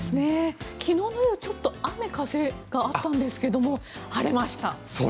昨日の夜ちょっと雨風があったんですが晴れました。